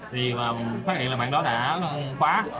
thì phát hiện là bạn đó đã khóa